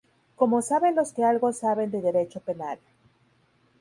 Como saben los que algo saben de Derecho Penal